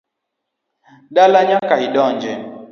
Dala nyaka idonje